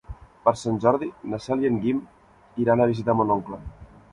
Per Sant Jordi na Cel i en Guim iran a visitar mon oncle.